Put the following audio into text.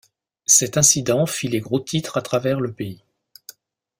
Cet incident fit les gros-titres à travers le pays.